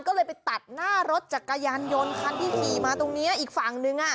ก็เลยไปตัดหน้ารถจักรยานยนต์คันที่ขี่มาตรงเนี้ยอีกฝั่งนึงอ่ะ